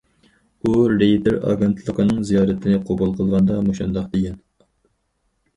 ئۇ رېيتېر ئاگېنتلىقىنىڭ زىيارىتىنى قوبۇل قىلغاندا مۇشۇنداق دېگەن.